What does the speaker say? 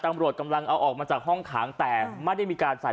ตำรวจกำลังเอาออกมาจากห้องขังแต่ไม่ได้มีการใส่